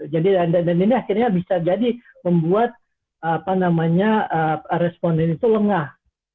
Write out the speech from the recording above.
jadi dan ini akhirnya bisa jadi membuat responden itu lengah